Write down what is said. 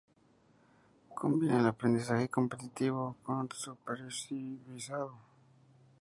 Combina el aprendizaje competitivo con Supervisado.